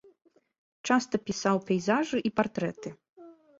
Часта пісаў пейзажы і партрэты.